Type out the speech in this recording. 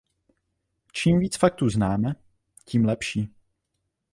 Čím víc faktů známe, tím lepší.